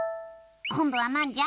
こんどはなんじゃ？